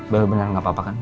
vel benar gak apa apa kan